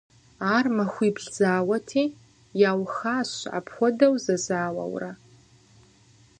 Ар махуибл зауэти, яухащ апхуэдэу зэзауэурэ.